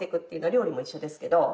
料理も一緒ですけど。